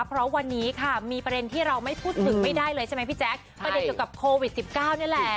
เพราะวันนี้ค่ะมีประเด็นที่เราไม่พูดถึงไม่ได้เลยใช่ไหมพี่แจ๊คประเด็นเกี่ยวกับโควิด๑๙นี่แหละ